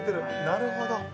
なるほど」